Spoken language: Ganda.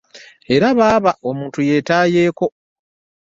Era baaba omuntu yeetaayeeko.